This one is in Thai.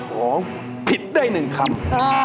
ร้องผิดได้๑คำ